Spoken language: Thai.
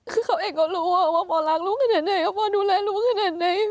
คือเขาเองก็รู้ว่าพ่อรักลูกขนาดไหนพ่อดูแลลูกขนาดไหน